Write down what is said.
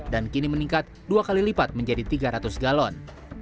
dan kini meningkat dua kali lipat menjadi tiga ratus galon